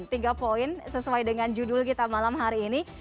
tiga poin sesuai dengan judul kita malam hari ini